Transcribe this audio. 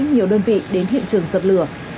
nhiều đơn vị đến hiện trường dập lửa